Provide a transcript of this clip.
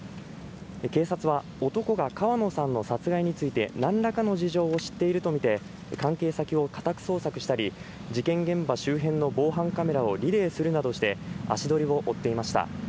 警察は、男が川野さんの殺害についてなんらかの事情を知っていると見て、関係先を家宅捜索したり、事件現場周辺の防犯カメラをリレーするなどして、足取りを追っていました。